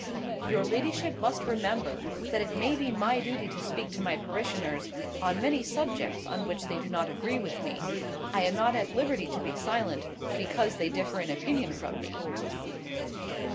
"Your ladyship must remember that it may be my duty to speak to my parishioners on many subjects on which they do not agree with me. I am not at liberty to be silent, because they differ in opinion from me."